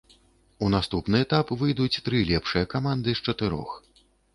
У наступны этап выйдуць тры лепшыя каманды з чатырох.